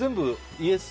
イエス！